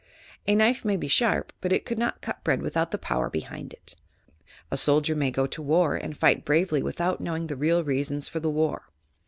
A knife may be sharp, but it could not cut bread without a power behind it. A soldier may go to war and fight bravely without knowing the real reasons for the war.